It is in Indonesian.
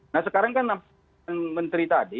nah sekarang kan menteri tadi